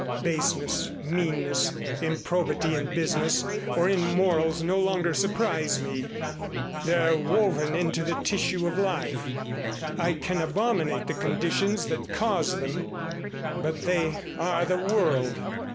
Baseness, meanness, improbity in business or in morals no longer surprise me. They're woven into the tissue of life. I can abominate the conditions that cause them, but they are the world.